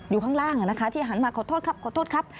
อยู่ข้างล่างนะคะที่หันมาขอโทษครับขอโทษครับ